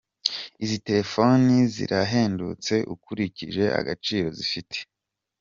Izi terefone zirahendutse ukurikije agaciro zifite.